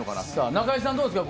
中居さん、どうですか？